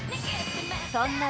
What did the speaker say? そんな